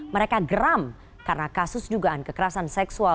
mereka geram karena kasus dugaan kekerasan seksual